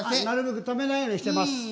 なるべくためないようにしてます。